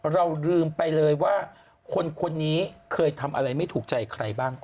เราลืมไปเลยว่าคนนี้เคยทำอะไรไม่ถูกใจใครบ้าง